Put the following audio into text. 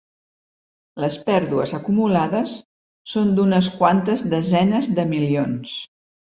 Les pèrdues acumulades són d’unes quantes desenes de milions.